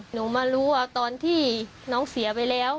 หนูมารู้ว่าตอนที่น้องเสียไปแล้ว